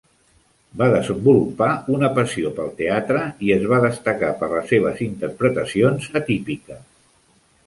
Va desenvolupar una passió pel teatre i es va destacar per les seves interpretacions atípiques.